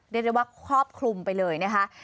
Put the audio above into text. ได้เรียกว่าครอบคลุมไปเลยนะคะ